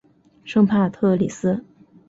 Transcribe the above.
圣帕特里斯。